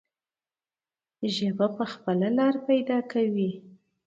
ژبه به خپله لاره پیدا کوي.